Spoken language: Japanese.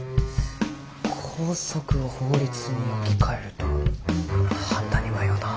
校則を法律に置き換えると判断に迷うな。